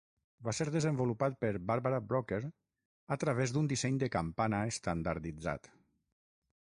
Va ser desenvolupat per Barbara Brocker a través d'un disseny de campana estandarditzat.